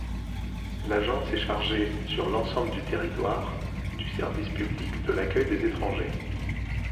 L'agence est chargée, sur l'ensemble du territoire, du service public de l'accueil des étrangers.